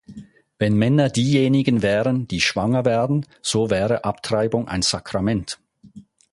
Wenn Männer diejenigen wären, die schwanger werden, so wäre Abtreibung ein Sakrament.